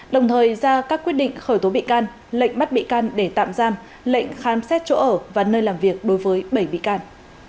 đồng thời ra các quyết định khởi tố bị can lệnh bắt bị can để tạm giam lệnh khám xét chỗ ở và nơi làm việc đối với bảy bị can